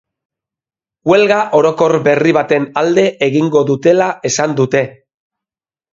Huelga orokor berri baten alde egingo dutela esan dute.